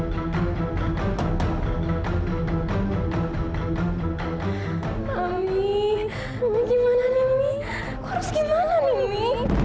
kalau aku ada disini